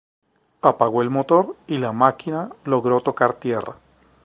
Apagó el motor y la máquina logró tocar tierra.